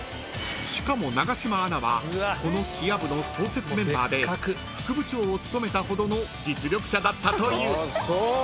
［しかも永島アナはこのチア部の創設メンバーで副部長を務めたほどの実力者だったという］